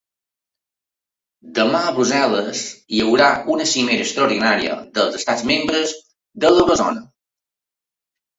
Demà a Brussel·les hi haurà una cimera extraordinària dels estats membres de l’eurozona.